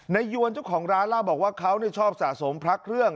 ยวนเจ้าของร้านเล่าบอกว่าเขาชอบสะสมพระเครื่อง